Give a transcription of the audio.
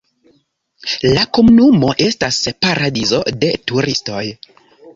La komunumo estas paradizo de turistoj.